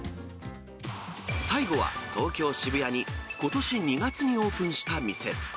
最後は東京・渋谷に、ことし２月にオープンした店。